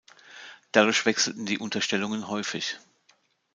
Dadurch wechselten die Unterstellungen häufig.